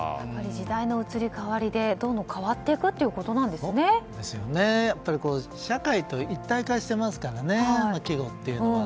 時代の移り変わりでどうも変わっていくやっぱり社会と一体化してますからね季語っていうのは。